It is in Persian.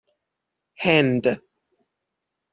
هند